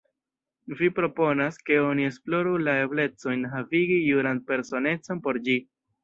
Vi proponas, ke oni esploru la eblecojn havigi juran personecon por ĝi.